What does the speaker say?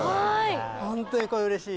ホントにこれうれしい。